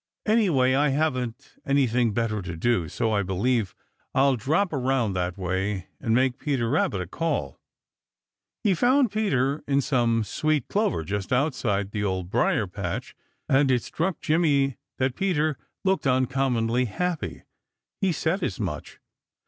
"Anyway, I haven't anything better to do, so I believe I'll drop around that way and make Peter Rabbit a call." He found Peter in some sweet clover just outside the Old Briar patch, and it struck Jimmy that Peter looked uncommonly happy. He said as much.